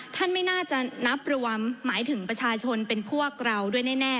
ไม่น่าจะนับรวมหมายถึงประชาชนเป็นพวกเราด้วยแน่